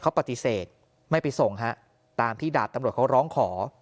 เขาปฏิเสธไม่ไปส่งฮะตามที่ดาบตำรวจเขาร้องขอ